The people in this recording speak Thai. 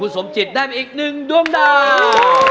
สมจิตได้มาอีกหนึ่งดวงดาว